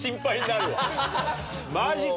マジか！